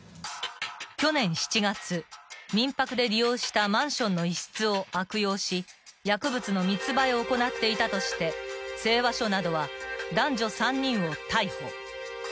［去年７月民泊で利用したマンションの一室を悪用し薬物の密売を行っていたとして西和署などは男女３人を逮捕］